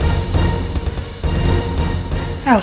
saya mau ke rumah